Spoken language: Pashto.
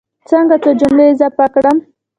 څنګه څو جملې اضافه کړم.